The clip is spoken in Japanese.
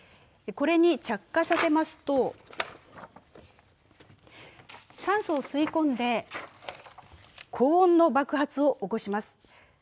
これに着火させますと、酸素を吸いこんで、高温の爆発を起こします。